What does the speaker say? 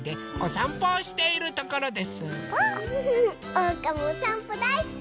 おうかもおさんぽだいすき！